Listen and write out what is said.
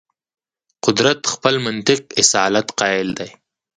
قدرت خپل منطق اصالت قایل دی.